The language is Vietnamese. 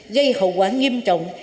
gây hậu quả nghiêm trọng